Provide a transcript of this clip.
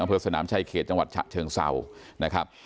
อเมอร์สนามชายเขตจังหวัดฉะเชิงเสานะครับ